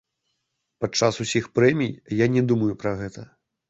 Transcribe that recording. Падчас усіх прэмій я не думаю пра гэта.